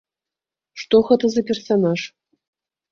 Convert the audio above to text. Што гэта за персанаж?